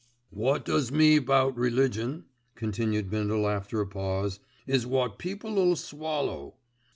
"Wot does me about religion," continued Bindle after a pause, "is wot people'll swallow.